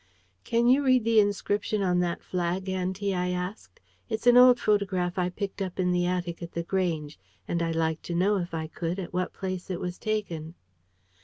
"Can you read the inscription on that flag, auntie?" I asked. "It's an old photograph I picked up in the attic at The Grange, and I'd like to know, if I could, at what place it was taken."